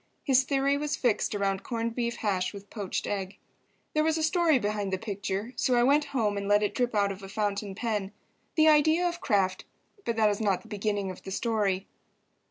His theory was fixed around corned beef hash with poached egg. There was a story behind the picture, so I went home and let it drip out of a fountain pen. The idea of Kraft—but that is not the beginning of the story.